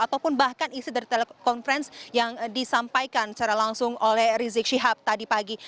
ataupun bahkan isi dari telekonferensi yang disampaikan secara langsung oleh rizik syihab tadi pagi